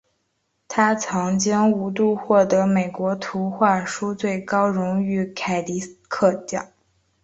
他曾经五度获得美国图画书最高荣誉凯迪克奖。